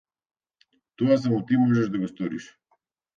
Тоа само ти можеш да го сториш.